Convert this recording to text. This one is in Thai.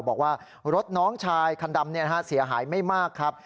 บอกว่ารถน้องชายคันดำเสียหายไม่มากครับ